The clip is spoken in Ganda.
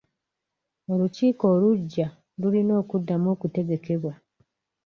Olukiiko oluggya lulina okuddamu okutegekebwa.